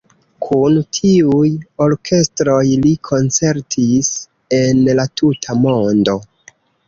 Kun tiuj orkestroj li koncertis en la tuta mondo.